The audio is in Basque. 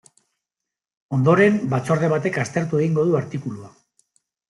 Ondoren, batzorde batek aztertu egingo du artikulua.